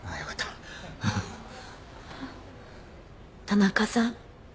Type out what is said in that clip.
田中さん。